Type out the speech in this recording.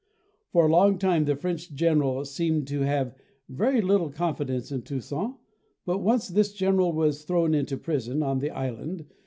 For a long time the French general seemed to have very little confidence in Toussaint, but once this general was thrown into prison on the island.